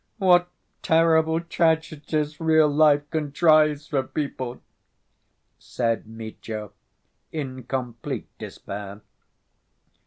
"What terrible tragedies real life contrives for people," said Mitya, in complete despair.